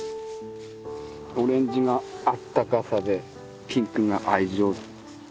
オレンジがあったかさでピンクが愛情。